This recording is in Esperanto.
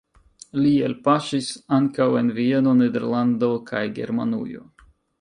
Li elpaŝis ankaŭ en Vieno, Nederlando kaj Germanujo.